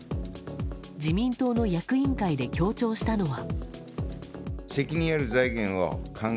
自民党の役員会で強調したのは。